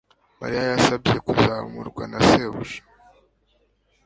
Mariya yasabye kuzamurwa na shebuja